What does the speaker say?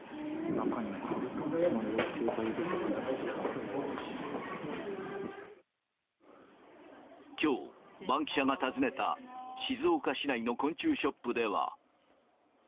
中にカブトムシの幼虫がいるきょう、バンキシャが訪ねた、静岡市内の昆虫ショップでは。